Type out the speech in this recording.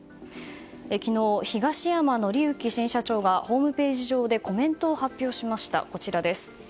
昨日、東山紀之新社長がホームページ上でコメントを発表しました。